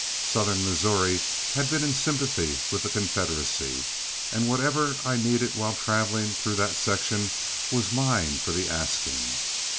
Southern Missouri had been in sympathy with the Confederacy, and whatever I needed while traveling through that section was mine for the asking.